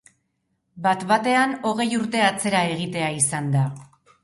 Batbatean hogei urte atzera egitea izan da.